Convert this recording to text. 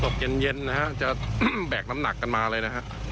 ตกใส่เย็นเย็นนะฮะจะแบ๊กน้้ำหนักกันมาเลยน่ะฮะ